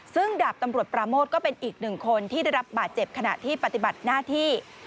ซึ่งดาบตำรวจปราโมทก็เป็นอีกหนึ่งคนที่ได้รับบาดเจ็บขณะที่ปฏิบัติหน้าที่